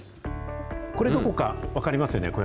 これ、どこが分かりますよね？